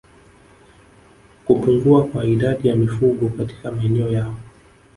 Kupungua kwa idadi ya mifugo katika maeneo yao